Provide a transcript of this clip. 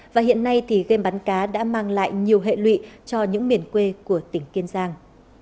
và hiện nay thì game bắn cá đã mang lại nhiều hệ lụy cho những miền quê của tỉnh kiên giang